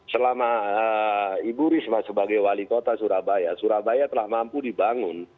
selama ibu risma sebagai wali kota surabaya telah mampu dibangun